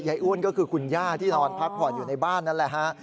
อ้วนก็คือคุณย่าที่นอนพักผ่อนอยู่ในบ้านนั่นแหละฮะ